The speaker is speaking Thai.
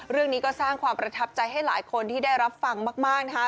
เรื่องนี้ก็สร้างความประทับใจให้หลายคนที่ได้รับฟังมากนะคะ